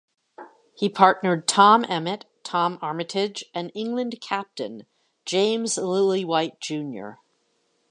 He partnered Tom Emmett, Tom Armitage and England Captain, James Lillywhite, junior.